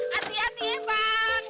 hati hati ya bang